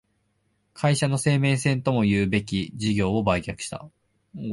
会社の生命線ともいうべき事業を売却した